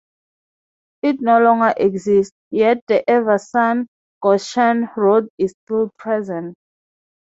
It no longer exists, yet the "Everson-Goshen" road is still present.